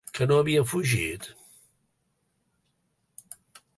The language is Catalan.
Que no havia fugit?